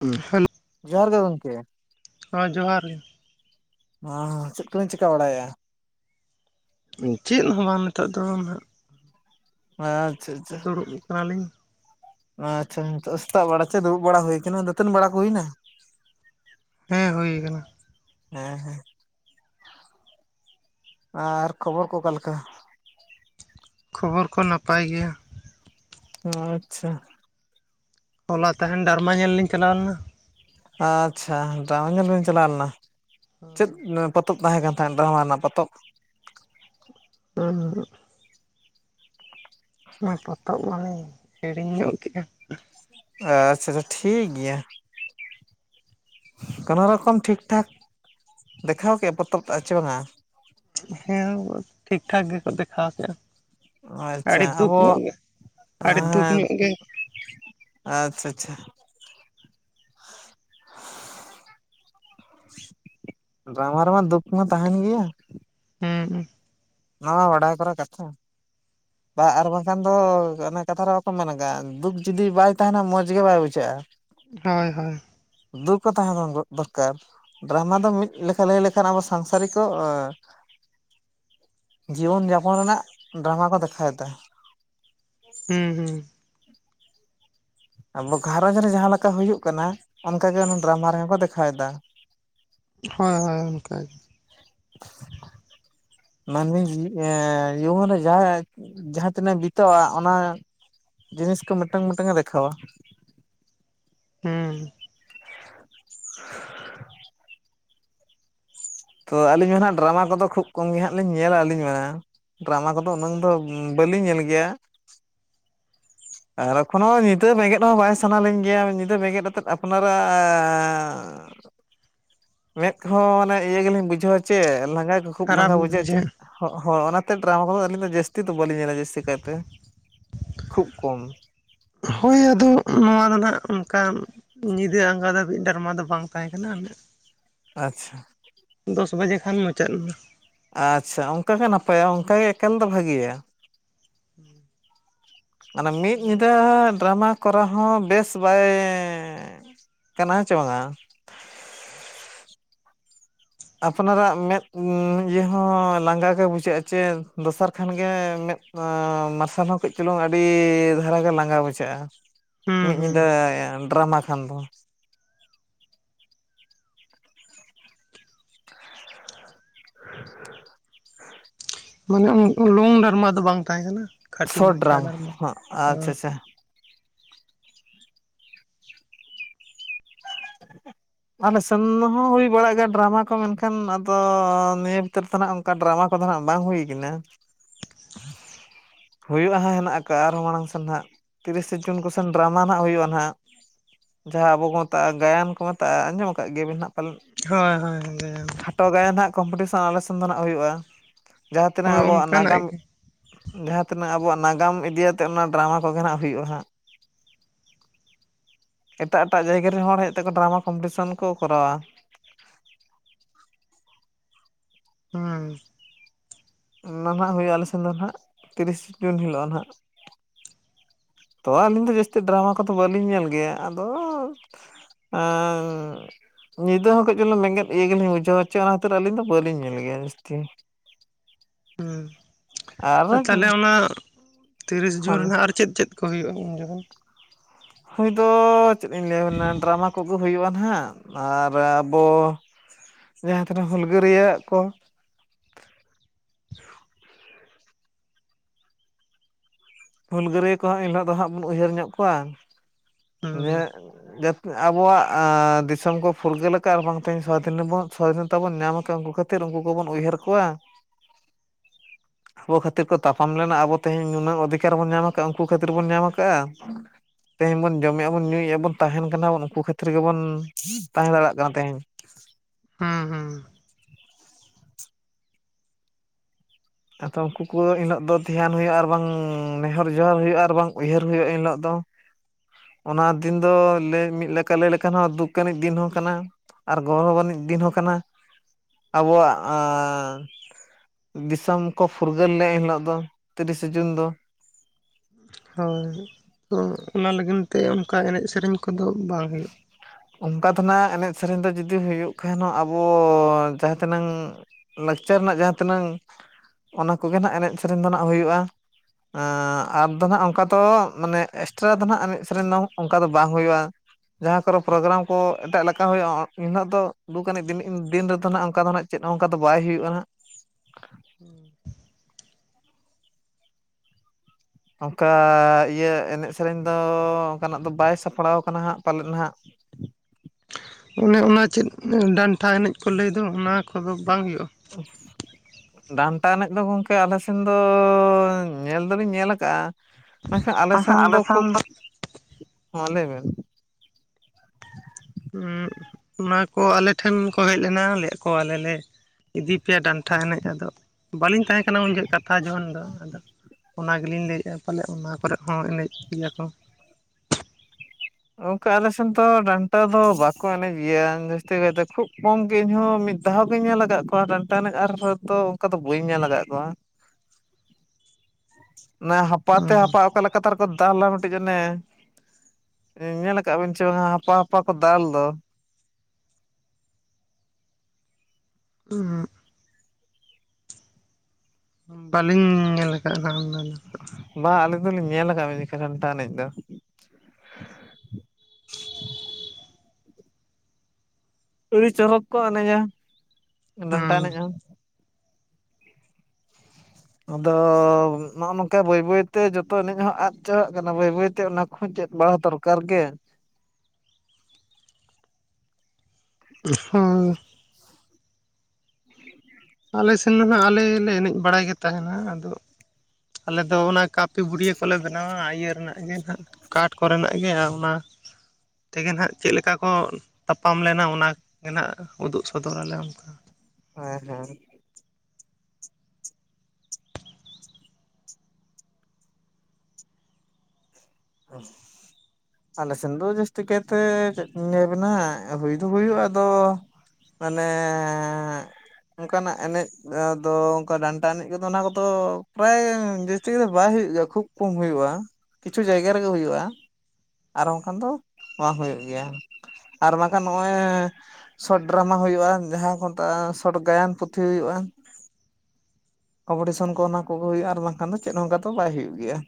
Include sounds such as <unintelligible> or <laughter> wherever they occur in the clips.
ᱦᱮᱸ, ᱦᱮᱞᱚᱣ ᱡᱚᱦᱟᱨ ᱜᱮ ᱜᱚᱝᱠᱮ ᱦᱚᱸ, ᱡᱚᱦᱟᱨ ᱜᱮ ᱦᱚᱸ ᱦᱚᱸ, ᱪᱮᱫ ᱠᱚᱵᱤᱱ ᱪᱤᱠᱟᱹ ᱵᱟᱲᱟᱭᱮᱫ-ᱟ? ᱪᱮᱫ ᱦᱚᱸ ᱵᱟᱝ ᱱᱤᱛᱚᱜ ᱫᱚ ᱱᱟᱜ ᱦᱟᱸ, ᱟᱪᱪᱷᱟ ᱟᱪᱷᱟ ᱫᱩᱲᱩᱵ ᱟᱠᱟᱱᱟᱞᱤᱧ ᱟᱪᱪᱷᱟ ᱱᱤᱛᱚᱜ ᱥᱮᱛᱟᱜ ᱵᱮᱲᱟ ᱪᱮ ᱫᱩᱲᱩᱵ ᱵᱟᱲᱟ ᱦᱩᱭ ᱫᱟᱹᱛᱟᱹᱣᱱᱤ ᱵᱟᱲᱟ ᱠᱚ ᱦᱩᱭ ᱱᱟ? ᱦᱮᱸ ᱦᱩᱭ ᱠᱟᱱᱟ ᱦᱮᱸ ᱦᱮᱸ, ᱟᱨ ᱠᱷᱚᱵᱚᱨ ᱠᱚ ᱚᱠᱟᱞᱮᱠᱟ? ᱠᱷᱚᱵᱚᱨ ᱠᱚ ᱱᱟᱯᱟᱭ ᱜᱮᱭᱟ ᱾ ᱟᱪᱪᱷᱟ ᱦᱚᱞᱟ ᱛᱟᱦᱮᱱ ᱰᱟᱨᱢᱟ ᱧᱮᱞ ᱞᱤᱧ ᱪᱟᱞᱟᱣ ᱞᱮᱱᱟ ᱾ ᱟᱪᱪᱷᱟ ᱰᱨᱟᱢᱟ ᱧᱮᱞ ᱵᱤᱱ ᱪᱟᱞᱟᱣ ᱞᱮᱱᱟ ᱪᱮᱫ ᱯᱚᱛ ᱛᱚᱵ ᱛᱟᱦᱮᱸ ᱠᱟᱱ ᱛᱟᱦᱮᱸᱫ ᱰᱨᱟᱢᱟ ᱨᱮᱱᱟᱜ ᱯᱚᱛᱚᱵ? ᱩ ᱚᱱᱟ ᱯᱚᱛᱚᱵ ᱢᱟᱞᱮᱧ ᱦᱤᱲᱤᱧ ᱧᱚᱜ ᱠᱮᱜᱼᱟ ᱾ ᱟᱪᱪᱷᱟ ᱪᱷᱟ ᱴᱷᱤᱠ ᱜᱤᱭᱟ ᱾ ᱠᱳᱱᱳ ᱨᱚᱠᱚᱢ ᱴᱷᱤᱠ-ᱴᱷᱟᱠ ᱫᱮᱠᱷᱟᱣ ᱠᱮᱜ ᱯᱚᱛᱚᱵ ᱥᱮ ᱵᱟᱝᱟ? ᱦᱮᱸ ᱴᱷᱤᱠ-ᱴᱷᱟᱠ ᱜᱮᱠᱚ ᱫᱮᱠᱷᱟᱣ ᱠᱮᱜᱼᱟ ᱾ ᱟᱪᱪᱷᱟ ᱟᱹᱰᱤ ᱫᱩᱠ ᱟᱵᱚ ᱧᱚᱜ ᱜᱮ, ᱟᱹᱰᱤ ᱫᱩᱠ ᱦᱮᱸ ᱧᱚᱜ ᱜᱮ᱾ ᱟᱪᱪᱷᱟ ᱪᱷᱟ ᱪᱷᱟ ᱰᱨᱟᱢᱟ ᱨᱮᱢᱟ ᱫᱩᱠ ᱢᱟ ᱛᱟᱦᱮᱸᱱ ᱜᱮᱭᱟ ᱾ ᱦᱩ ᱱᱚᱣᱟ ᱢᱟ ᱵᱟᱰᱟᱭ ᱠᱚᱨᱟ ᱠᱟᱛᱷᱟ ᱾ ᱵᱟ ᱟᱨ ᱵᱟᱝᱠᱷᱟᱱ ᱫᱚ ᱚᱱᱮ ᱠᱟᱛᱷᱟ ᱨᱮ ᱵᱟᱠᱚ ᱢᱮᱱᱟᱜᱼᱟ ᱫᱩᱠ ᱡᱩᱫᱤ ᱵᱟᱭ ᱛᱟᱦᱮᱸᱱᱟ ᱢᱚᱸᱡᱽ ᱜᱮ ᱵᱟᱭ ᱵᱩᱡᱷᱟᱹᱜᱼᱟ ᱾ ᱦᱳᱭ ᱦᱳᱭ ᱫᱩᱠ ᱦᱚᱸ ᱛᱟᱦᱮᱸ ᱫᱚ ᱫᱚᱨᱠᱟᱨ ᱰᱨᱟᱢᱟ ᱫᱚ ᱢᱤᱫ ᱞᱮᱠᱟ ᱞᱟᱹᱭ ᱞᱮᱠᱷᱟᱱ ᱟᱵᱚ ᱥᱟᱝᱥᱟᱨᱤ ᱠᱚ ᱡᱤᱭᱚᱱ ᱡᱟᱯᱚᱱ ᱨᱮᱱᱟᱜ ᱰᱨᱟᱢᱟ ᱠᱚ ᱫᱮᱠᱷᱟᱣᱮᱫᱟ ᱦᱩᱸ ᱦᱩᱸ ᱟᱵᱚ ᱜᱷᱟᱨᱚᱧᱡᱽ ᱨᱮ ᱡᱟᱦᱟᱸᱠᱟ ᱦᱩᱭᱩᱜ ᱠᱟᱱᱟ ᱚᱱᱠᱟ ᱜᱮ ᱚᱱᱟ ᱰᱨᱟᱢᱟ ᱨᱮ ᱦᱚᱸ ᱠᱚ ᱫᱮᱠᱷᱟᱣᱮᱫᱟ ᱦᱳᱭ ᱦᱳᱭ ᱚᱱᱠᱟ ᱜᱮ ᱢᱟᱱᱢᱤ ᱡᱩᱣᱚᱱ ᱨᱮ ᱡᱟᱦᱟᱸ ᱡᱟᱦᱟᱸ ᱛᱤᱱᱟᱹᱜ ᱵᱤᱛᱟᱹᱜᱼᱟ ᱚᱱᱟ ᱡᱤᱱᱤᱥ ᱠᱚ ᱢᱤᱫᱴᱟᱝ ᱢᱤᱫᱴᱟᱝ ᱮ ᱫᱮᱠᱷᱟᱣᱟ ᱦᱮᱸ <inaudible> ᱛᱚ ᱟᱹᱞᱤᱧ ᱢᱟ ᱦᱟᱸᱜ ᱰᱨᱟᱢᱟ ᱠᱚᱫᱚ ᱠᱷᱩᱵ ᱠᱚᱢ ᱜᱮ ᱦᱟᱸᱜ ᱞᱤᱧ ᱧᱮᱞᱟ ᱟᱹᱞᱤᱧ ᱢᱟ ᱰᱨᱟᱢᱟ ᱠᱚᱫᱚ ᱩᱱᱟᱹᱝ ᱫᱚ ᱵᱟᱹᱞᱤᱧ ᱧᱮᱞ ᱜᱮᱭᱟ ᱟᱨ ᱮᱠᱷᱚᱱᱳ ᱧᱤᱫᱟᱹ ᱵᱮᱸᱜᱮᱫ ᱦᱚᱸ ᱵᱟᱭ ᱥᱟᱱᱟ ᱞᱤᱧ ᱜᱮᱭᱟ ᱧᱤᱫᱟᱹ ᱵᱮᱸᱜᱮᱫ ᱟᱛᱮᱫ ᱟᱯᱱᱟᱨᱟᱜ ᱢᱮᱫ ᱠᱚᱦᱚᱸ ᱢᱟᱱᱮ ᱤᱭᱟᱹ ᱜᱮᱞᱤᱧ ᱵᱩᱡᱷᱟᱹᱣᱟ ᱪᱮ ᱞᱟᱸᱜᱟ ᱠᱚ ᱠᱷᱩᱜ ᱠᱷᱟᱨᱟᱯ ᱞᱟᱸᱜᱟ ᱜᱮ ᱵᱩᱡᱷᱟᱹᱜ ᱪᱮ ᱦᱳᱭ ᱚᱱᱟᱛᱮ ᱰᱨᱟᱢᱟ ᱠᱚᱫᱚ ᱟᱹᱞᱤᱧ ᱫᱚ ᱡᱟᱹᱥᱛᱤ ᱫᱚ ᱵᱟᱹᱞᱤᱧ ᱧᱮᱞᱟ ᱡᱟᱹᱥᱛᱤ ᱠᱟᱭᱛᱮ ᱠᱷᱩᱵ ᱠᱚᱢ ᱦᱳᱭ ᱟᱫᱚ ᱱᱚᱣᱟ ᱫᱚ ᱱᱟᱜ ᱚᱱᱠᱟᱟᱱ ᱧᱤᱫᱟᱹ ᱟᱸᱜᱟ ᱫᱷᱟᱹᱵᱤᱡ ᱰᱟᱨᱢᱟ ᱫᱚ ᱵᱟᱝ ᱛᱟᱦᱮᱸ ᱠᱟᱱᱟ ᱩᱱᱟᱹᱜ ᱟᱪᱪᱷᱟ ᱫᱚᱥ ᱵᱟᱡᱮ ᱠᱷᱟᱱ ᱢᱩᱪᱟᱹᱫ ᱞᱮᱱᱟ ᱟᱪᱪᱷᱟ ᱚᱱᱠᱟ ᱜᱮ ᱱᱟᱯᱟᱭᱟ ᱚᱱᱠᱟ ᱜᱮ ᱮᱠᱟᱞ ᱫᱚ ᱵᱷᱟᱜᱮᱭᱟ <inaudible> ᱢᱟᱱᱮ ᱢᱤᱫ ᱧᱤᱫᱟᱹ ᱰᱨᱟᱢᱟ ᱠᱚᱨᱟᱣ ᱦᱚᱸ ᱵᱮᱥ ᱵᱟᱭ ᱠᱟᱱᱟ ᱥᱮ ᱵᱟᱝᱟ ᱟᱯᱱᱟᱨᱟᱜ ᱢᱮᱫ ᱤᱭᱟᱹ ᱦᱚᱸ ᱞᱟᱸᱜᱟ ᱜᱮ ᱵᱩᱡᱷᱟᱹᱜᱼᱟ ᱪᱮ ᱫᱚᱥᱟᱨ ᱠᱷᱟᱱᱜ ᱜᱮ ᱢᱮᱫ ᱢᱟᱨᱥᱟᱞ ᱦᱚᱸ ᱠᱟᱹᱡ ᱪᱩᱞᱩᱝ ᱟᱹᱰᱤ ᱫᱷᱟᱨᱟ ᱜᱮ ᱞᱟᱸᱜᱟ ᱵᱩᱡᱷᱟᱹᱜᱼᱟ ᱦᱩᱸ ᱢᱤᱫ ᱦᱩᱸ ᱧᱤᱫᱟᱹ ᱰᱨᱟᱢᱟ ᱠᱷᱟᱱ ᱫᱚ <inaudible> <unintelligible> ᱢᱟᱱᱮ ᱞᱚᱝ ᱰᱟᱨᱢᱟ ᱫᱚ ᱵᱟᱝ ᱛᱟᱦᱮᱸ ᱠᱟᱱᱟ ᱠᱷᱟᱴᱩ ᱥᱚᱨᱴ ᱢᱟᱪᱷᱟ ᱰᱟᱨᱢᱟ ᱰᱨᱟᱢᱟ ᱦᱮᱸ ᱟᱪᱪᱷᱟ ᱟᱪᱪᱷᱟ <unintelligible> ᱟᱞᱮ ᱥᱮᱱ ᱦᱚᱸ ᱦᱩᱭ ᱵᱟᱲᱟᱜ ᱜᱮᱭᱟ ᱰᱨᱟᱢᱟ ᱠᱚ ᱢᱮᱱᱠᱷᱟᱱ ᱟᱫᱚ ᱱᱤᱭᱟᱹ ᱵᱷᱤᱛᱤᱨ ᱛᱮ ᱱᱟᱜ ᱚᱱᱠᱟ ᱰᱨᱟᱢᱟ ᱠᱚᱫᱚ ᱦᱟᱸᱜ ᱵᱟᱝ ᱦᱩᱭ ᱠᱟᱱᱟ᱾ ᱦᱩᱭᱩᱜᱼᱟ ᱦᱟᱸᱜ ᱦᱮᱱᱟᱜ ᱟᱠᱟᱫᱼᱟ ᱟᱨᱦᱚᱸ ᱢᱟᱲᱟᱝ ᱥᱮᱱ ᱦᱟᱸᱜ ᱛᱤᱨᱤᱥᱮ ᱡᱩᱱ ᱠᱚᱥᱮᱱ ᱰᱨᱟᱢᱟ ᱱᱟᱸᱜ ᱦᱩᱭᱩᱜᱼᱟ ᱦᱟᱸᱜ ᱡᱟᱦᱟᱸ ᱟᱵᱚ ᱵᱚᱱ ᱢᱮᱛᱟᱜᱼᱟ ᱜᱟᱭᱟᱱ ᱠᱚ ᱢᱮᱛᱟᱜᱼᱟ ᱟᱸᱡᱚᱢ ᱟᱠᱟᱫ ᱜᱮᱭᱟᱵᱤᱱ ᱦᱟᱸᱜ ᱦᱳᱭ ᱦᱳᱭ ᱦᱳᱭ ᱜᱟᱭᱟᱱ ᱛᱚ ᱜᱟᱭᱟᱱ ᱱᱟᱸᱜ ᱠᱚᱢᱯᱤᱴᱤᱥᱮᱱ ᱟᱞᱮ ᱥᱮᱱ ᱫᱚ ᱱᱟᱸᱜ ᱦᱩᱭᱩᱜᱼᱟ ᱡᱟᱦᱟᱸ ᱛᱤᱱᱟᱹᱜ ᱦᱳᱭ ᱟᱵᱚᱣᱟᱜ ᱚᱱᱠᱟᱱᱟᱜ ᱱᱟᱜᱟᱢ ᱜᱮ ᱡᱟᱦᱟᱸ ᱛᱤᱱᱟᱹᱜ ᱟᱵᱚᱣᱟᱜ ᱱᱟᱜᱟᱢ ᱤᱫᱤᱭᱟᱛᱮᱫ ᱚᱱᱟ ᱰᱨᱟᱢᱟ ᱠᱚᱜᱮ ᱦᱟᱸᱜ ᱦᱩᱭᱩᱜᱼᱟ ᱦᱟᱸᱜ ᱮᱴᱟᱜ ᱮᱴᱟᱜ ᱡᱟᱭᱜᱟ ᱨᱮᱱ ᱦᱚᱲ ᱦᱮᱡ ᱛᱮᱠᱚ ᱰᱨᱟᱢᱟ ᱠᱚᱢᱯᱤᱴᱤᱥᱮᱱ ᱠᱚ ᱠᱚᱨᱟᱣᱟ ᱦᱩᱸ ᱚᱱᱟ ᱱᱟᱸᱦᱟᱜ ᱦᱩᱭᱩᱜᱼᱟ ᱟᱞᱮ ᱥᱮᱱ ᱫᱚ ᱦᱟᱸᱜ ᱛᱤᱨᱤᱥ ᱡᱩᱱ ᱦᱤᱞᱳᱜ ᱱᱟᱸᱜ ᱛᱚ ᱟᱹᱞᱤᱧ ᱫᱚ ᱡᱟᱹᱥᱛᱤ ᱰᱨᱟᱢᱟ ᱠᱚᱫᱚ ᱵᱟᱹᱞᱤᱧ ᱧᱮᱞ ᱜᱮᱭᱟ ᱟᱫᱚ ᱟᱸᱨ ᱧᱤᱫᱟᱹ ᱦᱚᱸ ᱠᱟᱹᱡᱽ ᱵᱮᱸᱜᱮᱫ ᱤᱭᱟᱹ ᱜᱮᱞᱤᱧ ᱵᱩᱡᱷᱟᱹᱣᱟ ᱪᱮ ᱚᱱᱟ ᱠᱷᱟᱹᱛᱤᱨ ᱟᱹᱞᱤᱧ ᱫᱚ ᱵᱟᱹᱞᱤᱧ ᱧᱮᱞ ᱜᱮᱭᱟ ᱡᱟᱹᱥᱛᱤ ᱟᱨ ᱦᱮᱸ ᱛᱟᱦᱚᱞᱮ ᱚᱱᱟ ᱛᱤᱨᱤᱥ ᱡᱩᱱ ᱦᱟᱞᱮ ᱨᱮᱱᱟᱜ ᱟᱨ ᱱᱟᱸ ᱪᱮᱫ ᱪᱮᱫ ᱠᱚ ᱦᱩᱭᱩᱜᱼᱟ ᱩᱱ ᱡᱚᱠᱷᱚᱱ ᱦᱩᱭ ᱫᱚ ᱪᱮᱫ ᱤᱧ ᱞᱟᱹᱭᱟᱵᱱᱟ ᱰᱨᱟᱢᱟ ᱠᱚ ᱜᱩ ᱦᱩᱭᱩᱜᱼᱟ ᱱᱟᱸᱜ ᱟᱨ ᱟᱵᱚ ᱡᱟᱦᱟᱸ ᱛᱤᱱᱟᱹᱜ ᱦᱩᱞ ᱜᱟᱹᱨᱤᱭᱟᱹ ᱟᱜ ᱠᱚ ᱯᱷᱩᱞᱜᱟᱹᱨᱭᱟᱹ ᱠᱚᱦᱟᱸᱜ ᱮᱱᱦᱤᱞᱳᱜ ᱫᱚ ᱦᱟᱸᱜ ᱵᱚᱱ ᱩᱭᱦᱟᱹᱨ ᱧᱚᱜ ᱠᱚᱣᱟ ᱦᱩᱸ ᱡᱮ ᱡᱟ ᱟᱵᱚᱣᱟᱜ ᱫᱤᱥᱚᱢ ᱠᱚ ᱯᱷᱩᱨᱜᱟᱹᱞ ᱟᱠᱟᱫ ᱟᱨ ᱵᱟᱝ ᱛᱮᱦᱮᱧ ᱥᱟᱛᱤᱱ ᱵᱚᱱ ᱥᱟᱫᱷᱤᱱᱚᱛᱟ ᱵᱚᱱ ᱧᱟᱢ ᱟᱠᱟᱫ ᱩᱱᱠᱩ ᱠᱷᱟᱹᱛᱤᱨ ᱛᱤᱨ ᱩᱱᱠᱩ ᱠᱚᱵᱚᱱ ᱩᱭᱦᱭᱟᱹᱨ ᱠᱚᱣᱟ ᱟᱵᱚ ᱠᱷᱟᱹᱛᱤᱨ ᱠᱚ ᱛᱟᱯᱟᱢ ᱞᱮᱱᱟ ᱟᱵᱚ ᱛᱮᱦᱮᱧ ᱱᱩᱱᱟᱹᱜ ᱚᱫᱷᱤᱠ ᱠᱟᱨ ᱵᱚᱱ ᱧᱟᱢ ᱠᱟᱜᱼᱟ ᱩᱱᱠᱩ ᱠᱷᱟᱹᱛᱤᱨ ᱵᱚᱱ ᱧᱟᱢ ᱠᱟᱜᱼᱟ ᱛᱮᱦᱮᱧ ᱵᱚᱱ ᱡᱚᱢᱮᱫᱼᱟ ᱵᱚᱱ ᱧᱩᱭᱮᱫᱼᱟ ᱵᱚᱱ ᱛᱟᱦᱮᱱ ᱠᱟᱱᱟ ᱵᱚᱱ ᱩᱱᱠᱩ ᱠᱷᱟᱛᱤᱨ ᱜᱮᱵᱚᱱ ᱛᱟᱦᱮᱸ ᱫᱟᱲᱮᱭᱟᱜ ᱠᱟᱱᱟ ᱛᱟᱦᱮᱸᱧ ᱦᱩᱸ ᱦᱩ ᱟᱫᱚ ᱩᱱᱠᱩ ᱠᱚ ᱮᱱᱤᱞᱳᱜ ᱫᱚ ᱫᱷᱮᱭᱟᱱ ᱦᱩᱭᱩᱜᱼᱟ ᱟᱨ ᱵᱟᱝ ᱱᱮᱦᱚᱨ ᱡᱚᱦᱟᱨ ᱦᱩᱭᱩᱜᱼᱟ ᱟᱨ ᱵᱟᱝ ᱩᱭᱦᱟᱹᱨ ᱦᱩᱭᱩᱜᱼᱟ ᱤᱱ ᱦᱤᱞᱳᱜ ᱫᱚ ᱚᱱᱟ ᱫᱤᱱ ᱫᱚ ᱞᱟᱹᱭ ᱢᱤᱫ ᱞᱮᱠᱟ ᱞᱟᱹᱭ ᱞᱮᱠᱷᱟᱱ ᱦᱚᱸ ᱫᱩᱠ ᱟᱹᱱᱤᱡ ᱫᱤᱱ ᱦᱚᱸ ᱠᱟᱱᱟ ᱟᱨ ᱜᱚᱨᱚᱵ ᱟᱱᱤᱡᱽ ᱫᱤᱱ ᱦᱚᱸ ᱠᱟᱱᱟ ᱟᱵᱚᱣᱟᱜ ᱟᱸ ᱫᱤᱥᱚᱢ ᱠᱚ ᱯᱷᱩᱨᱜᱟᱹᱞ ᱞᱮᱫ ᱮᱱ ᱦᱤᱞᱳᱜ ᱫᱚ ᱛᱤᱨᱤᱥᱮ ᱡᱩᱱ ᱫᱚ ᱦᱳᱭ ᱛᱚ ᱚᱱᱟ ᱞᱟᱹᱜᱤᱱ ᱛᱮ ᱚᱱᱠᱟ ᱮᱱᱮᱡᱽ ᱥᱮᱨᱮᱧ ᱠᱚ ᱫᱚ ᱵᱟᱝ ᱦᱩᱭᱩᱜᱼᱟ᱾ ᱚᱱᱠᱟ ᱫᱚᱱᱟᱜ ᱮᱱᱮᱡᱽ ᱥᱮᱨᱮᱧ ᱫᱚ ᱡᱩᱫᱤ ᱦᱩᱭᱩᱜ ᱠᱷᱟᱱ ᱟᱵᱚ ᱡᱟᱦᱟᱸ ᱛᱤᱱᱟᱹᱝ ᱞᱟᱠᱪᱟᱨ ᱨᱮᱱᱟᱜ ᱡᱟᱦᱟᱸ ᱛᱤᱱᱟᱹᱜ ᱚᱱᱟ ᱠᱚᱜᱮ ᱱᱟᱸᱜ ᱮᱱᱮᱡᱽ ᱥᱮᱨᱮᱧ ᱫᱚ ᱱᱟᱸᱜ ᱦᱩᱭᱩᱜᱼᱟ᱾ ᱟᱸ ᱟᱨ ᱫᱚ ᱦᱟᱸᱜ ᱚᱱᱠᱟ ᱫᱚ ᱢᱟᱱᱮ ᱮᱥᱴᱨᱟ ᱫᱚ ᱦᱟᱸᱜ ᱮᱱᱮᱡᱽ ᱥᱮᱨᱮᱧ ᱫᱚ ᱚᱱᱠᱟ ᱫᱚ ᱵᱟᱝ ᱦᱩᱭᱩᱼᱟ᱾ ᱡᱟᱦᱟᱸ ᱠᱚᱨᱚ ᱯᱨᱳᱜᱨᱟᱢ ᱠᱚ ᱮᱴᱟᱜ ᱞᱮᱠᱟ ᱦᱩᱭᱩᱜᱼᱟ ᱤᱱᱦᱤᱞᱚᱜ ᱫᱚ ᱫᱩᱠᱷ ᱟᱹᱱᱤᱡᱽ ᱫ ᱫᱤᱱ ᱨᱮ ᱫᱚ ᱱᱟᱸᱜ ᱚᱱᱠᱟ ᱫᱚ ᱱᱟᱸᱜ ᱪᱮᱫ ᱚᱱᱠᱟ ᱫᱚ ᱵᱟᱭ ᱦᱩᱭᱩᱜᱼᱟ ᱱᱟᱦᱟᱸᱜ ᱦᱩᱸ ᱚᱱᱠᱟ ᱤᱭᱟᱹ ᱮᱱᱮᱡᱽ ᱥᱮᱨᱮᱧ ᱫᱚ ᱚᱱᱠᱟᱱᱟᱜ ᱫᱚ ᱵᱟᱭ ᱥᱟᱯᱲᱟᱣ ᱠᱟᱱᱟ ᱦᱟᱸᱜ ᱯᱟᱞᱮᱫ ᱱᱟᱦᱟᱸᱜ ᱚᱱᱮ ᱚᱱᱟ ᱪᱮᱫ ᱰᱟᱱᱴᱷᱟ ᱮᱱᱮᱡᱽ ᱠᱚ ᱞᱟᱹᱭ ᱫᱚ ᱚᱱᱟ ᱠᱚᱫᱚ ᱵᱟᱝ ᱦᱩᱭᱩᱜᱼᱟ? <inaudible> ᱰᱟᱱᱴᱟ ᱮᱱᱮᱡᱽ ᱫᱚ ᱜᱚᱝᱠᱮ ᱟᱞᱮ ᱥᱮᱱ ᱫᱚ ᱧᱮᱞ ᱫᱚᱞᱤᱧ ᱧᱮᱞ ᱟᱠᱟᱜᱼᱟ᱾ ᱢᱮᱱᱠᱷᱟᱱ ᱟᱞᱮ ᱥᱮᱱ ᱫᱚ ᱠᱷᱩᱵ ᱦᱚᱸ ᱞᱟᱹᱭ ᱵᱮᱱ ᱚᱸᱢ ᱚᱱᱟ ᱠᱚ ᱟᱞᱮ ᱴᱷᱮᱱ ᱠᱚ ᱦᱮᱡᱽ ᱞᱮᱱᱟ ᱞᱮᱭᱟᱫ ᱠᱚᱣᱟ ᱞᱮ ᱟᱞᱮ ᱞᱮ ᱤᱫᱤ ᱯᱮᱭᱟ ᱰᱟᱱᱴᱟ ᱮᱱᱮᱡᱽ ᱟᱫᱚ ᱵᱟᱹᱞᱤᱧ ᱛᱟᱦᱮᱸ ᱠᱟᱱᱟ ᱩᱱ ᱡᱚᱦᱚᱜ ᱠᱟᱛᱷᱟ ᱡᱚᱠᱷᱚᱱ ᱫᱚ ᱟᱫᱚ ᱚᱱᱟ ᱜᱮᱞᱤᱧ ᱞᱟᱹᱭᱮᱫᱼᱟ ᱯᱚᱞᱮᱫ ᱚᱱᱟ ᱠᱚᱨᱮ ᱦᱚᱸ ᱮᱱᱮᱡᱽ ᱜᱮᱭᱟ ᱠᱚ ᱜᱚᱝᱠᱮ ᱟᱞᱮᱥᱮᱱ ᱫᱚ ᱰᱟᱱᱴᱟ ᱫᱚ ᱵᱟᱠᱚ ᱮᱱᱮᱡᱽ ᱜᱮᱭᱟ ᱡᱟᱹᱥᱛᱤ ᱠᱟᱭᱛᱮ ᱠᱷᱩᱵ ᱠᱚᱢ ᱜᱮ ᱤᱧᱦᱚᱸ ᱫᱷᱚᱣ ᱜᱤᱧ ᱧᱮᱞ ᱟᱠᱟᱫ ᱠᱚᱣᱟ ᱰᱟᱱᱴᱟ ᱮᱱᱮᱡᱽ ᱟᱨ ᱦᱚᱭ ᱛᱚ ᱚᱱᱠᱟ ᱫᱚ ᱵᱟᱹᱧ ᱧᱮᱞ ᱟᱠᱟᱫ ᱠᱚᱣᱟ᱾ ᱚᱱᱮ ᱦᱟᱯᱟ ᱛᱮ ᱦᱟᱯᱟ ᱚᱠᱟ ᱞᱮᱠᱟ ᱛᱮ ᱟᱨ ᱠᱚ ᱫᱟᱞᱟ ᱢᱤᱫᱴᱤᱡ ᱚᱱᱮ ᱧᱮᱞ ᱟᱠᱟᱫ ᱵᱤᱱ ᱥᱮ ᱵᱟᱝ ᱦᱟᱯᱟᱼ ᱦᱟᱯᱟ ᱠᱚ ᱫᱟᱞ ᱫᱚ ᱦᱩᱸ ᱩᱸ ᱵᱟᱹᱞᱤᱧ ᱧᱮᱞ ᱟᱠᱟᱼᱟᱜ ᱩᱱᱟᱹᱜ ᱫᱚ ᱦᱟᱸᱜ ᱵᱟ ᱟᱹᱞᱤᱧ ᱫᱚ ᱞᱤᱧ ᱧᱮᱞ ᱟᱠᱟᱫ ᱢᱤᱫ ᱡᱚᱠᱷᱮᱡᱽ ᱰᱟᱱᱴᱟ ᱮᱱᱮᱡ ᱫᱚ ᱟᱹᱰᱤ ᱪᱚᱨᱚᱠ ᱠᱚ ᱮᱱᱮᱡᱟᱹ ᱰᱟᱱᱴᱟ ᱮᱱᱮᱡ ᱦᱚᱸ᱾ ᱟᱫᱚ ᱱᱚᱜᱼᱚ ᱱᱚᱝᱠᱟ ᱵᱟᱹᱭ ᱵᱟᱹᱭᱛᱮ ᱡᱚᱛᱚ ᱮᱱᱮᱡ ᱦᱚᱸ ᱟᱫ ᱪᱟᱜ ᱠᱟᱱᱟ ᱵᱟᱹᱭ ᱵᱟᱹᱭᱛᱮ ᱚᱱᱟ ᱠᱚ᱾ ᱠᱷᱚᱡ ᱪᱮᱫ ᱵᱟᱲᱟ ᱫᱚᱨᱠᱟᱨ ᱜᱮ᱾ ᱦᱚᱭ ᱟᱞᱮ ᱥᱮᱱ ᱢᱟ ᱦᱟᱜ ᱟᱞᱮ ᱞᱮ ᱮᱱᱮᱡ ᱵᱟᱲᱟᱭ ᱜᱮ ᱛᱟᱦᱮᱱᱟ ᱟᱫᱚ ᱟᱞᱮ ᱫᱚ ᱚᱱᱟ ᱠᱟᱹᱯᱤ ᱵᱩᱰᱭᱟᱹ ᱠᱚᱞᱮ ᱵᱮᱱᱟᱣᱟ ᱤᱭᱟᱹ ᱨᱮᱱᱟᱜ ᱜᱮ ᱱᱟᱦᱟᱜ᱾ ᱠᱟᱴ ᱠᱚᱨᱮᱱᱟᱜ ᱜᱮ ᱚᱱᱟ ᱛᱮᱜᱮ ᱱᱟᱦᱟᱜ ᱪᱮᱫ ᱞᱮᱠᱟ ᱠᱚ ᱛᱟᱯᱟᱢ ᱞᱮᱱᱟ ᱚᱱᱟᱜᱮ ᱱᱟᱦᱟᱜ ᱩᱫᱩᱜ ᱥᱚᱫᱚᱨ ᱟᱞᱮ ᱚᱱᱠᱟ ᱾ ᱦᱮᱸ ᱦᱮᱸ ᱦ <inaudible> ᱟᱞᱮ ᱥᱮᱱ ᱫᱚ ᱡᱟᱹᱥᱛᱤ ᱠᱟᱭᱛᱮ ᱪᱮᱫ ᱞᱟᱹᱭ ᱵᱮᱮᱱᱟ ᱦᱩᱭ ᱫᱚ ᱦᱩᱭᱩᱜᱼᱟ ᱟᱫᱚ ᱢᱟᱱᱮ ᱚᱱᱠᱟᱱᱟᱜ ᱮᱱᱮᱡ ᱟᱫᱚ ᱚᱱᱠᱟ ᱰᱟᱱᱴᱟ ᱮᱱᱤᱡ ᱠᱚᱫᱚ ᱚᱱᱟ ᱠᱚᱫᱚ ᱯᱨᱟᱭ ᱡᱟᱹᱥᱛᱤᱮᱫ ᱵᱟᱭ ᱦᱩᱭᱩᱜ ᱜᱮᱭᱟ ᱠᱷᱩᱵ ᱠᱚᱢ ᱦᱩᱭᱩᱜᱼᱟ᱾ ᱠᱤᱪᱷᱩ ᱡᱟᱭᱜᱟ ᱨᱮ ᱜᱮ ᱦᱩᱭᱩᱜᱼᱟ ᱟᱨ ᱵᱟᱝᱠᱷᱟᱱ ᱫᱚ ᱵᱟᱝ ᱦᱩᱭᱩᱜ ᱜᱮᱭᱟ ᱾ ᱟᱨ ᱵᱟᱝᱠᱷᱟᱱ ᱱᱚᱜᱼᱚᱭ ᱥᱚᱨᱚᱴ ᱰᱨᱟᱢᱟ ᱦᱩᱭᱩᱜᱼᱟ ᱡᱟᱦᱟᱸ ᱠᱚ ᱢᱮᱛᱟᱜᱼᱟ ᱥᱚᱨᱚᱴ ᱜᱟᱭᱟᱱ ᱯᱩᱛᱷᱤ ᱦᱩᱭᱩᱜᱼᱟ᱾ ᱠᱚᱢᱯᱤᱴᱤᱥᱚᱱ ᱠᱚ ᱚᱱᱟ ᱠᱚ ᱦᱩᱭᱩᱜ-ᱟ ᱟᱨ ᱵᱟᱝᱠᱷᱟᱱ ᱫᱚ ᱪᱮᱫ ᱚᱱᱠᱟ ᱫᱚ ᱵᱟᱭ ᱦᱩᱭᱩᱜ ᱜᱮᱭᱟ᱾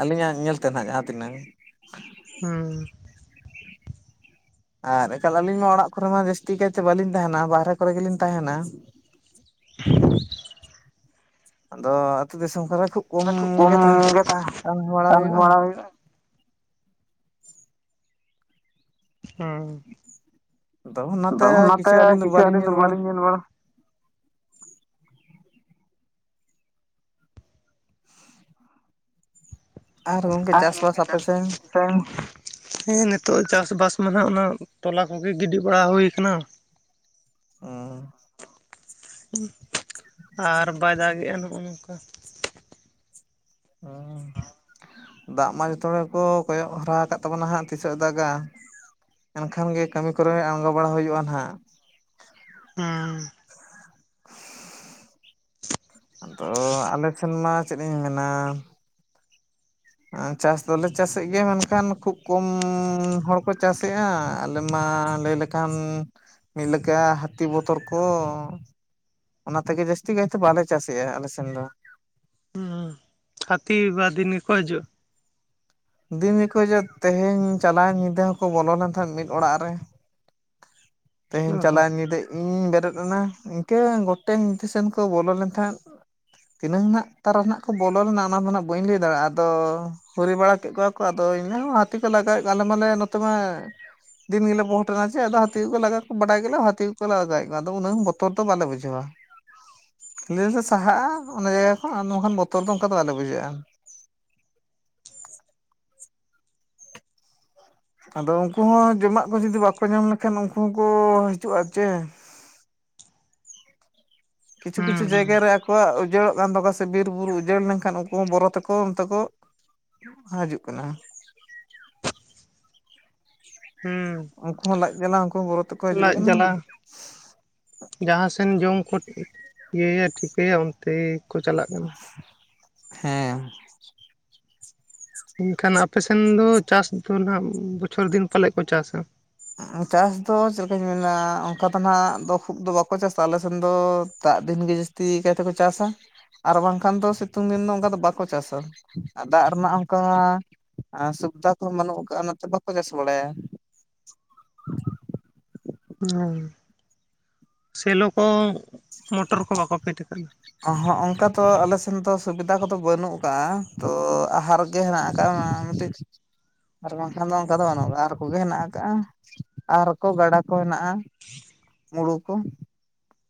ᱟᱹᱞᱤᱧᱟᱜ ᱧᱮᱞ ᱛᱮᱱᱟᱦᱟᱜ ᱡᱟᱦᱟᱸ ᱛᱤᱱᱟᱹᱜ ᱦᱩᱸ ᱟᱨ ᱮᱱᱠᱟᱞ ᱟᱹᱞᱤᱧ ᱢᱟ ᱚᱲᱟᱜ ᱠᱚᱨᱮ ᱢᱟ ᱡᱟᱹᱥᱛᱤ ᱠᱟᱭᱛᱮ ᱵᱟᱹᱞᱤᱧ ᱛᱟᱦᱮᱱᱟ ᱵᱟᱦᱨᱮ ᱠᱚᱨᱮ ᱜᱮᱞᱤᱧ ᱛᱟᱦᱮᱱᱟ ᱾ ᱟᱫᱚ ᱟᱹᱛᱩ ᱫᱤᱥᱚᱢ ᱠᱚᱨᱮ ᱠᱷᱩᱵ ᱠᱚᱢ ᱜᱮ ᱛᱟᱦᱮᱸ ᱵᱟᱲᱟ ᱠᱟᱹᱢᱤ ᱦᱩᱭᱩᱜ-ᱟ ᱾ ᱦᱩᱭᱩᱜᱼᱟ ᱦᱩᱸ ᱫᱚ ᱚᱱᱟ ᱛᱟᱹ ᱠᱤᱪᱷᱩ ᱟᱹᱞᱤᱧ ᱫᱚ ᱵᱟᱹᱞᱤᱧ ᱧᱮᱞ ᱵᱟᱲᱟ᱾ ᱟᱨ ᱜᱚᱝᱠᱟᱮ ᱪᱟᱥᱵᱟᱥ ᱠᱚᱫᱚ ᱾ ᱚ ᱦᱮᱸ ᱱᱤᱛᱚᱜ ᱪᱟᱥ ᱵᱟᱥ ᱢᱟ ᱱᱟᱦᱟᱜ ᱚᱱᱟ ᱴᱚᱞᱟ ᱠᱚᱜᱮ ᱜᱤᱰᱤ ᱵᱟᱲᱟ ᱦᱩᱭᱩ ᱟᱠᱟᱱᱟ ᱚᱩᱸ ᱦᱮᱸ <inaudible> <inaudible> ᱟᱨ ᱵᱟᱭ ᱫᱟᱜᱮᱜ-ᱟ ᱱᱚᱜ-ᱚ ᱱᱚᱝᱠᱟ ᱾ ᱦᱮᱸ ᱫᱟᱜ ᱢᱟ ᱡᱚᱛᱚ ᱦᱚᱲ ᱜᱮ ᱠᱚ ᱠᱚᱭᱚᱜ ᱦᱟᱨᱟ ᱟᱠᱟᱫ ᱛᱟᱵᱚᱱᱟ ᱦᱜ ᱛᱤᱥ ᱦᱚᱸ ᱫᱟᱜᱟ ᱾ ᱮᱱᱠᱷᱟᱱ ᱜᱮ ᱠᱟᱹᱢᱤ ᱠᱚᱨᱮ ᱟᱬᱜᱚ ᱵᱟᱲᱟ ᱦᱩᱭᱩᱜ-ᱟ ᱱᱟᱦᱟᱜ ᱾ ᱦᱩᱸ ᱟᱫᱚ ᱟᱞᱮ ᱥᱮᱱ ᱢᱟ ᱪᱮᱫ ᱞᱤᱧ ᱢᱮᱱᱟ ᱾ ᱪᱟᱥ ᱫᱚᱞᱮ ᱪᱟᱥᱮᱫ ᱜᱮᱭᱟ ᱢᱮᱱᱠᱷᱟᱱ ᱠᱷᱩᱵ ᱠᱚᱢ ᱦᱚᱲ ᱠᱚ ᱪᱟᱥᱮᱫ-ᱟ ᱟᱞᱮ ᱢᱟ ᱞᱟᱹᱭ ᱞᱮ ᱮᱠᱷᱟᱱ ᱢᱤᱫ ᱞᱮᱠᱟ ᱦᱟᱹᱛᱤ ᱵᱚᱛᱚᱨ ᱠᱚ᱾ ᱚᱱᱟ ᱛᱮᱜᱮ ᱡᱟᱹᱥᱛᱤ ᱠᱟᱭᱛᱮ ᱵᱟᱞᱮ ᱪᱟᱥᱮᱫ-ᱟ ᱟᱞᱮ ᱥᱮᱱ ᱫᱚ᱾ ᱦᱟᱛᱤ ᱵᱟ ᱫᱤᱱ ᱠᱚᱭᱦᱤᱡᱩᱜ ᱫᱤᱱ ᱜᱮᱠᱚ ᱦᱮᱡ ᱛᱮᱦᱮᱧ ᱪᱟᱞᱟᱣᱧ ᱧᱤᱫᱟᱹ ᱦᱚᱸᱠᱚ ᱵᱚᱞᱚ ᱞᱮᱱ ᱛᱟᱦᱮᱸᱫ ᱢᱤᱫ ᱚᱲᱟᱜ ᱨᱮ ᱛᱮᱦᱤᱧ ᱚ ᱦᱚᱸ ᱪᱟᱞᱟᱜ ᱧᱤᱫᱟᱹ ᱤᱧ ᱵᱮᱨᱮᱫ ᱮᱱᱟ ᱤᱱᱠᱟᱹ ᱜᱚᱴᱮᱱ ᱫᱤᱥᱤᱥᱮᱱ ᱠᱚ ᱵᱚᱞᱚ ᱞᱮᱱᱛᱟᱦᱮᱱ᱾ ᱛᱤᱱᱟᱹᱝ ᱱᱟᱜ ᱛᱟᱨᱟ ᱨᱮᱱᱟᱜ ᱠᱚ ᱵᱚᱞᱚ ᱞᱮᱱᱟ ᱚᱱᱟ ᱫᱚ ᱦᱱᱟᱜ ᱵᱟᱹᱧ ᱞᱟᱹᱭ ᱫᱟᱲᱮᱭᱟᱜ-ᱟ ᱟᱫᱚ ᱦᱚᱨᱤ ᱵᱟᱲᱟ ᱠᱮᱫ ᱠᱚᱣᱟ ᱠᱚ ᱟᱫᱚ ᱤᱧ ᱦᱚᱸ ᱦᱟᱹᱛᱤ ᱠᱚ ᱞᱟᱜᱟᱣᱮᱫ ᱠᱚᱣᱟᱞᱮ ᱢᱟᱞᱮ ᱱᱚᱛᱮ ᱢᱟ᱾ ᱫᱤᱱ ᱜᱮᱞᱮ ᱵᱚᱦᱚᱴᱮᱱᱟ ᱪᱮ ᱟᱫᱚ ᱦᱟᱹᱛᱤ ᱞᱟᱜ ᱵᱟᱰᱟᱭ ᱜᱮᱞᱮ ᱦᱟᱹᱛᱤ ᱠᱚᱞᱮᱟᱜᱟᱣᱮᱫ ᱠᱚᱣᱟ ᱟᱫᱚ ᱩᱱᱟᱹᱜ ᱵᱚᱛᱚᱨ ᱫᱚ ᱵᱟᱞᱮ ᱵᱩᱡᱷᱟᱹᱣᱟ᱾ ᱠᱷᱞ ᱞᱮ ᱥᱟᱦᱟᱜ-ᱟ ᱚᱱᱟ ᱡᱟᱭᱜᱟ ᱠᱷᱚᱱᱫᱚ ᱵᱟᱝᱠᱷᱟᱱ ᱵᱚᱛᱚᱨ ᱫᱚ ᱚᱱᱠᱟ ᱫᱚ ᱵᱟᱞᱮ ᱵᱩᱡᱷᱟᱹᱜ-ᱟ ᱟᱫᱚ ᱩᱱᱠᱩ ᱦᱚᱸ ᱡᱚᱢᱟᱜ ᱠᱚ ᱡᱩᱫᱤ ᱵᱟᱠᱚ ᱧᱟᱢ ᱞᱮᱠᱷᱟᱱ ᱩᱱᱠᱩ ᱦᱚᱸᱠᱚ ᱦᱤᱡᱩᱜ-ᱟ ᱪᱮ ᱠᱤᱪᱷᱩ ᱠᱤᱪᱷᱩ ᱦᱩᱸ ᱦᱩᱸ ᱡᱟᱭᱜᱟ ᱨᱮ ᱟᱠᱚᱣᱟᱜ ᱩᱡᱟᱹᱲᱚᱜ ᱠᱟᱱ ᱛᱟᱠᱚᱣᱟ ᱥᱮ ᱵᱤᱨ ᱵᱩᱨᱩ ᱩᱡᱟᱹᱲ ᱞᱮᱱᱠᱷᱟᱱ ᱩᱱᱠᱩ ᱦᱚᱸ ᱵᱚᱨᱚ ᱛᱮᱠᱚ ᱚᱱᱛᱮ ᱠᱚ ᱦᱤᱡᱩᱜ ᱠᱟᱱᱟ ᱾ ᱩᱱᱠᱩ ᱦᱚᱸ ᱞᱟᱡ ᱡᱟᱞᱟ ᱩᱱᱠᱩ ᱦᱚᱸ ᱵᱚᱨᱚ ᱛᱮᱠᱚ ᱦᱤᱡᱩᱜ ᱞᱟᱡ ᱠᱟᱱᱟ ᱡᱟᱞᱟ᱾ ᱡᱟᱦᱟᱸᱥᱮᱱ ᱡᱚᱢᱠᱩ ᱤᱭᱟᱹᱭᱟ ᱴᱷᱤᱠᱟᱹᱭᱟ ᱚᱱᱛᱮᱠᱚ ᱪᱟᱞᱟᱜ ᱠᱟᱱᱟ᱾ ᱦᱮᱸ ᱮᱱᱠᱷᱟᱱ ᱟᱯᱮᱥᱱ ᱫᱚ ᱪᱟᱥ ᱫᱚ ᱱᱟᱱᱟᱜ ᱵᱚᱪᱷᱚᱨ ᱫᱤᱱ ᱯᱟᱞᱮᱫ ᱠᱚ ᱪᱟᱥᱟ? ᱪᱟᱥ ᱫᱚ ᱪᱮᱫ ᱞᱮᱠᱟᱧ ᱢᱮᱱᱟ ᱚᱱᱠᱟ ᱫᱚ ᱱᱟᱜ ᱫᱚ ᱠᱷᱩᱵ ᱫᱚ ᱵᱟᱠᱚ ᱪᱟᱥᱟ ᱟᱞᱮ ᱥᱮᱱ ᱫᱚ ᱫᱟᱜ ᱫᱤᱱᱜ ᱡᱟᱹᱥᱛᱤ ᱛᱤᱠᱟᱭᱛᱮᱠᱚ ᱪᱟᱥ-ᱟ᱾ ᱟᱨ ᱵᱟᱝᱠᱷᱟᱱ ᱫᱚ ᱥᱤᱛᱩᱝ ᱫᱤᱱ ᱫᱚ ᱚᱱᱠᱟ ᱫᱚ ᱵᱟᱠᱚ ᱪᱟᱥ-ᱟ ᱫᱟᱜ ᱨᱮᱱᱟᱜ ᱚᱱᱠᱟ ᱟᱨ ᱥᱩᱵᱤᱫᱷᱟ ᱠᱚᱦᱚᱸ ᱵᱟᱹᱱᱩᱜ ᱠᱫᱟ-ᱟ ᱚᱱᱟᱛᱮ ᱵᱟᱠᱚ ᱪᱟᱥ ᱵᱟᱲᱟᱭᱟ <inaudible> ᱦᱸ ᱥᱮᱞᱚ ᱠᱚ ᱢᱚᱴᱚᱨ ᱠᱚ ᱵᱟᱠᱚ ᱯᱷᱮᱰ ᱟᱠᱟᱫᱟ ᱦᱚᱸ ᱚᱱᱠᱟ ᱛᱚ ᱟᱞᱮ ᱥᱮᱱ ᱫᱚ ᱥᱩᱵᱤᱫᱟ ᱠᱚᱫᱚ ᱵᱟᱹᱱᱩᱜ ᱟᱠᱟᱜ ᱛᱚ ᱟᱦᱟᱨ ᱜᱮ ᱦᱮᱱᱟᱜ ᱟᱠᱟᱫ ᱢᱟ ᱢᱤᱫᱴᱤᱡ ᱟᱨ ᱵᱟᱝᱠᱷᱟᱱ ᱫᱚ ᱚᱱᱠᱟ ᱫᱚ ᱵᱟᱹᱱᱩᱜ ᱟᱨ ᱠᱚᱜᱮ ᱦᱮᱱᱟᱜ ᱟᱠᱟᱜ-ᱟ ᱟᱨ ᱠᱚ ᱜᱟᱰᱟ ᱠᱚ ᱦᱮᱱᱟᱜ-ᱟ ᱢᱩᱲᱩ ᱠᱚ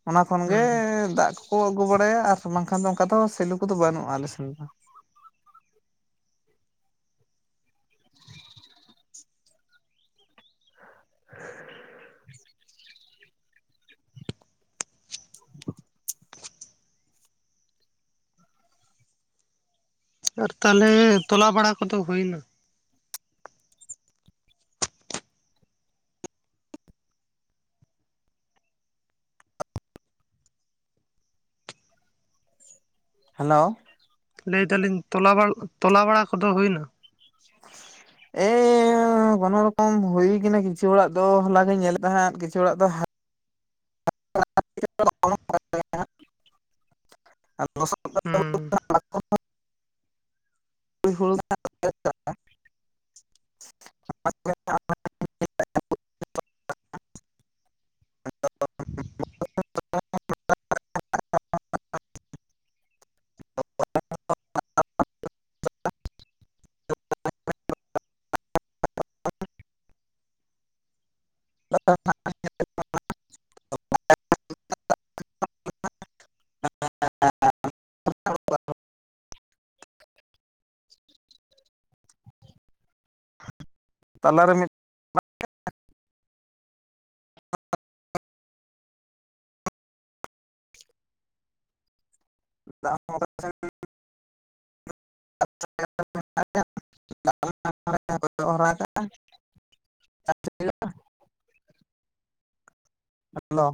ᱚᱱᱟ ᱠᱷᱚᱱ ᱜᱮ ᱦᱩᱸ ᱫᱟᱜ ᱠᱚ ᱠᱚ ᱟᱹᱜᱩ ᱵᱟᱲᱟᱭᱟ ᱟᱨ ᱵᱟᱝᱠᱷᱟᱱ ᱫᱚ ᱚᱱᱠᱟ ᱫᱚ ᱥᱮᱞᱚ ᱠᱚᱫᱚ ᱵᱟᱹᱱᱩᱜ-ᱟ ᱟᱞᱮ ᱥᱮᱱ ᱫᱚ <inaudible> <inaudible> ᱟᱨ ᱛᱟᱦᱚᱞᱮ ᱛᱚᱞᱟ ᱵᱟᱲᱟ ᱠᱚᱫᱚ ᱦᱩᱭᱱᱟ ᱦᱮᱞᱳ ᱞᱟᱹᱭᱫᱟᱞᱤᱧ ᱛᱚᱞᱟ ᱵᱟ ᱛᱚᱞᱟ ᱵᱟᱲᱟ ᱠᱚᱫᱚ ᱦᱩᱭᱮᱱᱟ ᱮᱻ ᱠᱚᱱᱳ ᱨᱚᱠᱚᱢ ᱦᱩᱭ ᱠᱟᱱᱟ ᱠᱤᱪᱷᱩ ᱦᱚᱲᱟᱜ ᱫᱚ। ᱦᱚᱞᱟᱜᱮᱧ ᱧᱮᱞᱮᱫ ᱛᱟᱦᱮᱸᱫ ᱠᱤᱪᱷᱩ ᱦᱚᱲᱟᱜ ᱫᱚ, <inaudible> ᱟᱯᱮ ᱚᱱᱛᱮ ᱫᱚ ᱟᱨ ᱞᱚᱥᱚᱫ ᱠᱮᱫᱟ? <inaudible> ᱦᱩᱸ ᱦᱩᱭ ᱠᱟᱱᱟ, ᱦᱚᱞᱟ, ᱪ <inaudible> ᱟ <inaudible> <unintelligible> ᱟᱫᱚ ᱦᱳᱭ ᱪᱟᱵᱟ, <inaudible> ᱠᱷᱟᱛᱟᱨ ᱱᱟᱠ, <inaudible> ᱛᱟᱞᱟᱨᱮ ᱢᱤᱫ, ᱫᱟᱜ <unintelligible> ᱠᱚ ᱡᱚᱜ ᱦᱚᱨᱟᱠᱟᱜᱼᱟ। ᱦᱮᱞᱳ,